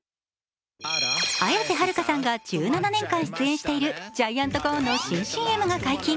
綾瀬はるかさんが１７年間出演しているジャイアントコーンの新ＣＭが解禁。